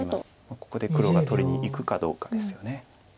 ここで黒が取りにいくかどうかですよね。